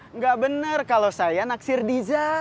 enggak bener kalau saya naksir dija